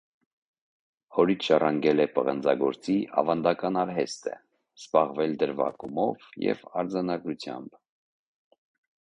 Հորից ժառանգել է պղնձագործի ավանդական արհեստը, զբաղվել դրվագումով և արձանագործությամբ։